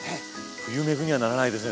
冬メグにはならないですね